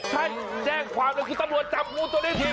ใช่แจ้งความเป็นคุณตำรวจจับงูตริฐี